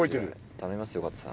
頼みますよ加藤さん。